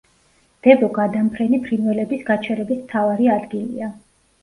დებო გადამფრენი ფრინველების გაჩერების მთავარი ადგილია.